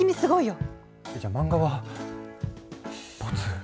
じゃあ漫画はボツ？